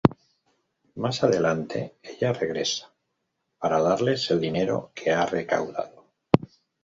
Más adelante, ella regresa para darles el dinero que ha recaudado.